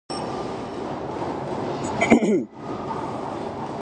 Generally the nests are very difficult to find.